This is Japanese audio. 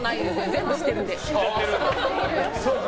全部知ってるんで。